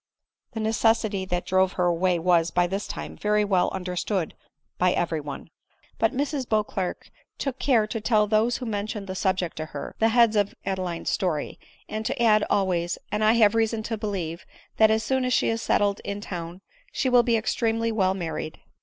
The necessity that drove her away was, by this time, very well understood by every one ; but Mrs Beauclerc 204 ADELINE MOWBRAY. took care to tell those who mentioned the subject to her, the heads of Adeline's story ; and to add, always, " and I have reason to believe, that as soon as she is settled in town, she will be extremely well married."